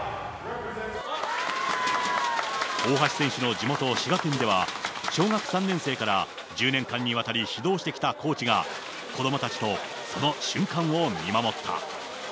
大橋選手の地元、滋賀県では、小学３年生から１０年間にわたり、指導してきたコーチが、子どもたちとその瞬間を見守った。